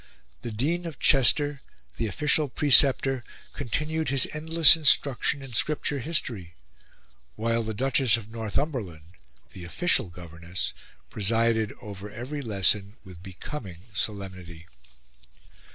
The Dean of Chester, the official preceptor, continued his endless instruction in Scripture history, while the Duchess of Northumberland, the official governess, presided over every lesson with becoming solemnity.